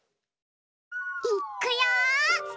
いっくよ！